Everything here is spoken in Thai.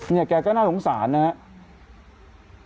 แกก็น่าสงสารนะครับ